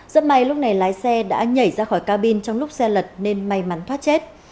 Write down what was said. rất may lúc này lái xe đã nhảy ra khỏi cabin trong lúc xe lật nên may mắn thoát chết